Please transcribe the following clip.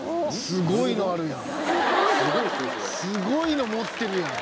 すごいの持ってるやん！